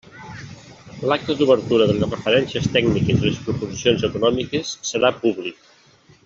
L'acta d'obertura de les referències tècniques i les proposicions econòmiques serà públic.